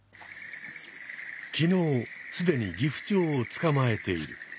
昨日すでにギフチョウをつかまえている。